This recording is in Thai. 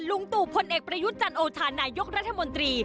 ลุงตู่พลเอกประยุทธ์จันโอชานายกรัฐมนตรี